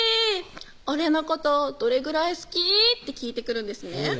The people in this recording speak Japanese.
俺のことどれぐらい好き？」って聞いてくるんですね